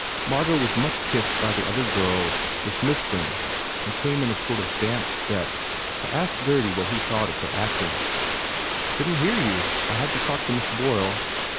Margot was much kissed by the other girls, dismissed them and came in a sort of dance step to ask Gurdy what he thought of her acting. "Couldn t hear you. I had to talk to Miss Boyle.